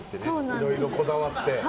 いろいろこだわって。